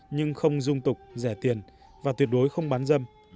nhưng không dung tục rẻ tiền và tuyệt đối không bán dâm